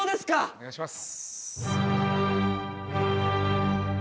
お願いします。